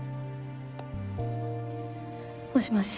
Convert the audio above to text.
もしもし。